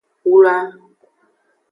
Wla.